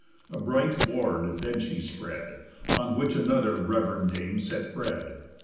A bright board then she spread, On which another rev'rend dame set bread.